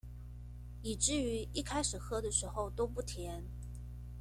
以至於一開始喝的時候都不甜